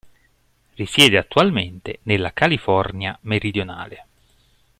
Risiede attualmente nella California meridionale.